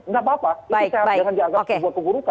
enggak apa apa itu jangan dianggap sesuatu keburukan